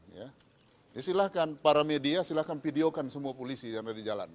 ya silahkan para media silahkan videokan semua polisi yang ada di jalan